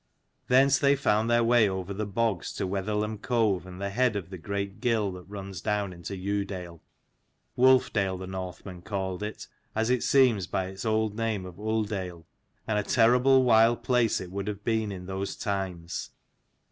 Thence they found their way over the bogs to Wetherlam cove and the head of the great gill that runs down into Yewdale, Wolfdale the Northmen called it, as it seems by its old name of Ulldale; and a terrible wild place it would have been in those times.